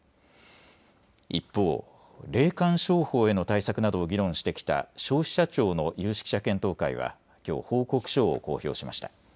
一方、霊感商法への対策などを議論してきた消費者庁の有識者検討会はきょう報告書を公表しました。